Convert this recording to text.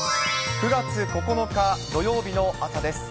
９月９日土曜日の朝です。